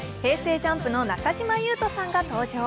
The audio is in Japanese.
ＪＵＭＰの中島裕翔さんが登場。